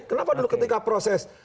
kenapa dulu ketika proses